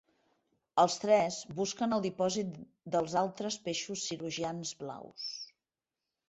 Els tres busquen el dipòsit dels altres peixos cirurgians blaus.